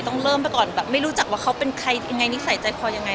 ต้องเริ่มไปก่อนไม่รู้จักว่าเขาเป็นใครนิสัยใจพออย่างไร